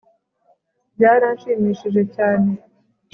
Byaranshimishije cyane